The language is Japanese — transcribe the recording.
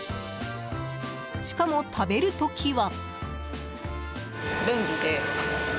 しかも、食べる時は。